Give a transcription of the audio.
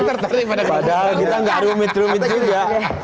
tertarik pada padahal kita gak rumit rumit juga